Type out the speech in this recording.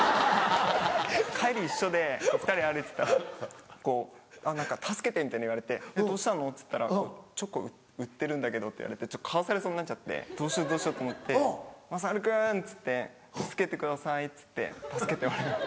帰り一緒で２人で歩いてたらこう何か「助けて」みたいの言われて「どうしたの？」っつったら「チョコ売ってるんだけど」って言われて買わされそうになっちゃってどうしようどうしようと思って「優くん助けてください」っつって助けてもらいました。